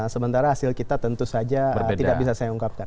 sementara hasil kita tentu saja tidak bisa saya ungkapkan